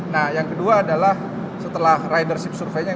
nah yang kedua adalah setelah ridership surveinya